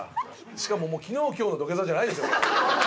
しかももう昨日今日の土下座じゃないですよこれ。